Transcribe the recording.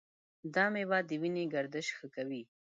دا میوه د وینې گردش ښه کوي.